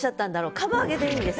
「釜揚げ」でいいんです。